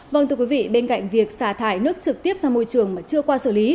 vâng thưa quý vị bên cạnh việc xả thải nước trực tiếp ra môi trường mà chưa qua xử lý